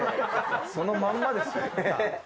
そのまんまですよ。